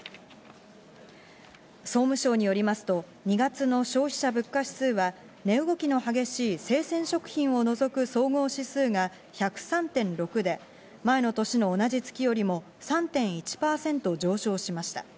総務省によりますと２月の消費者物価指数は、値動きの激しい生鮮食品を除く総合指数が１０３．６で、前の年の同じ月よりも３．１％上昇しました。